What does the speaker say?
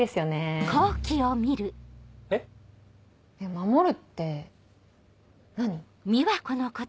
守るって何？